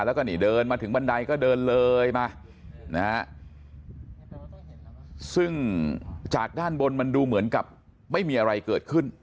แล้วก็นี่เดินมาถึงบันไดก็เดินเลยมานะฮะซึ่งจากด้านบนมันดูเหมือนกับไม่มีอะไรเกิดขึ้น